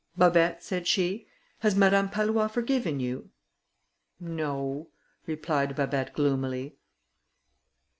"Babet," said she, "has Madame Pallois forgiven you?" "No," replied Babet gloomily.